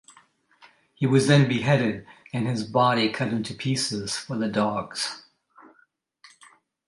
He was then beheaded and his body cut into pieces for the dogs.